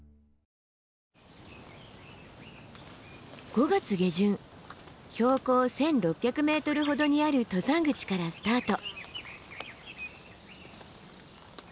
５月下旬標高１，６００ｍほどにある登山口からスタート。